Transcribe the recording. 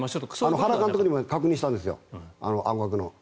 原監督にも確認したんですよ、青学の。